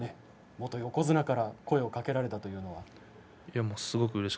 元横綱から声をかけられたというのは。